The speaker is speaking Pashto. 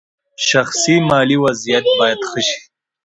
شخصي مالي وضعیت باید ښه شي.